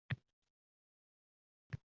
Eski tos, eski hammom, dedi men tomonga o`grilib